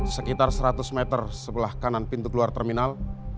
sekitar seratus meter sebelah kanan pintu keluar terminal